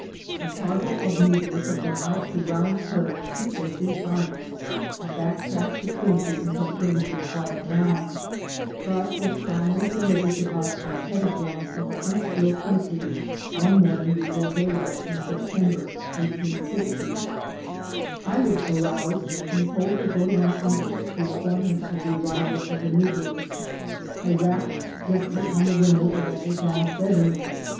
The cargo of negroes had been out to Round Prairie two or three times and back tracked to Quincy until things would quiet down, but was finally delivered to us by Pettyjohn of the Huntsville country one morning before daylight in Sep tember, 1860. I was aroused and told to go to my uncle's to inform him of the arrival of the negroes. I rapped gently on the window of Uncle John's bedroom.